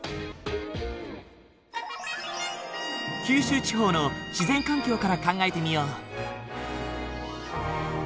九州地方の自然環境から考えてみよう。